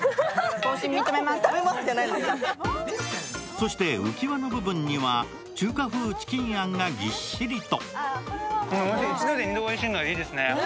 そしてうきわの部分には中華風チキンあんがぎっしりと。